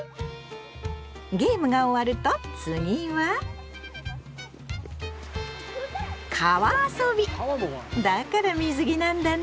ゲームが終わると次はだから水着なんだね！